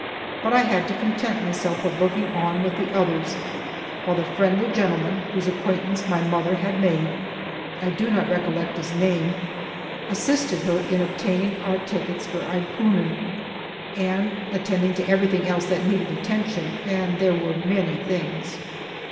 But I had to content myself with looking on with the others, while the friendly gentleman whose acquaintance my mother had made (I do not recollect his name) assisted her in obtaining our tickets for Eidtkunen, and attending to everything else that needed attention, and there were many things.